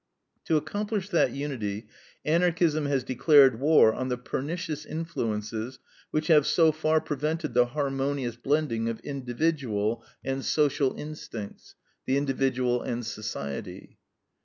To accomplish that unity, Anarchism has declared war on the pernicious influences which have so far prevented the harmonious blending of individual and social instincts, the individual and society.